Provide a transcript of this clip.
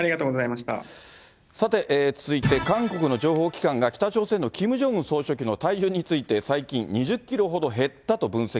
さて、続いて、韓国の情報機関が、北朝鮮のキム・ジョンウン総書記の体重について、最近２０キロほど減ったと分析。